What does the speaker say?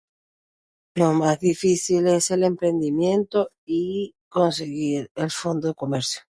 Lo más difícil es el emprendimiento y conseguir el fondo de comercio.